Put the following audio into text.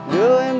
đưa em đi